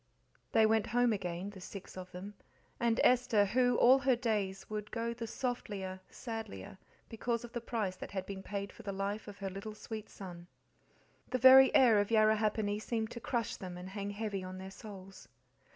They went home again, the six of them, and Esther, who, all her days, "would go the softlier, sadlier" because of the price that had been paid for the life of her little sweet son. The very air of Yarrahappini seemed to crush them and hang heavy on their souls.